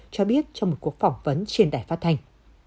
cho biết trong một cuộc phỏng vấn trên đài phát thanh